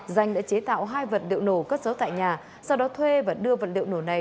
danh đã chế tạo hai vật liệu nổ cất giấu tại nhà sau đó thuê và đưa vật liệu nổ này